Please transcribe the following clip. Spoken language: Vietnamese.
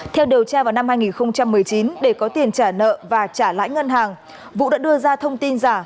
theo điều tra vào năm hai nghìn một mươi chín để có tiền trả nợ và trả lãi ngân hàng vũ đã đưa ra thông tin giả